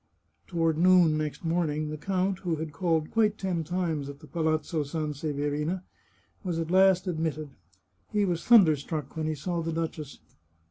Toward noon next morning the count, who had called quite ten times at the Palazzo Sanseverina, was at last ad mitted. He was thunder struck when he saw the duchess.